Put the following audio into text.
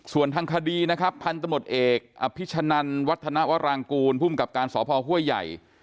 ส่วนทางคดีนะครับพันธมตเอกอภิชนันวัฒนวรางกูลภูมิกับการสพห้วยใหญ่